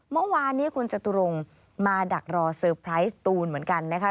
เมื่อวานนี้คุณจตุรงค์มาดักรอเซอร์ไพรส์ตูนเหมือนกันนะคะ